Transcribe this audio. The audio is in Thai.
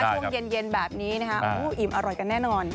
ช่วงเย็นแบบนี้นะคะอิ่มอร่อยกันแน่นอน